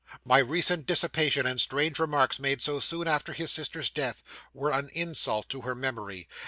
My recent dissipation, and strange remarks, made so soon after his sister's death, were an insult to her memory.